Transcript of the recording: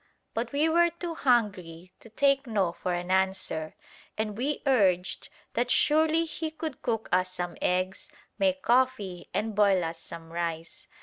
But we were too hungry to take "no" for an answer, and we urged that surely he could cook us some eggs, make coffee, and boil us some rice.